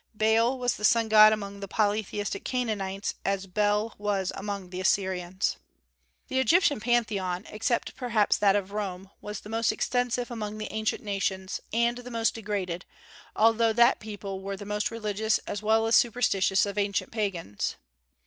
Baal was the sun god among the polytheistic Canaanites, as Bel was among the Assyrians. The Egyptian Pantheon, except perhaps that of Rome, was the most extensive among the ancient nations, and the most degraded, although that people were the most religious as well as superstitious of ancient pagans.